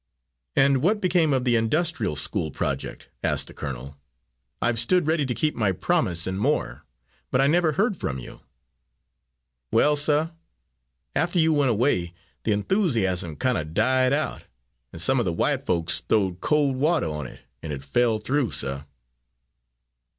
"And what became of the industrial school project?" asked the colonel. "I've stood ready to keep my promise, and more, but I never heard from you." "Well, suh, after you went away the enthusiasm kind of died out, and some of the white folks throwed cold water on it, and it fell through, suh."